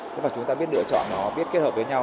nhưng mà chúng ta biết lựa chọn nó biết kết hợp với nhau